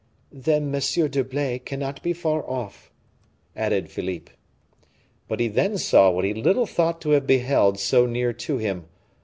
"Then M. d'Herblay cannot be far off," added Philippe. But he then saw what he little thought to have beheld so near to him.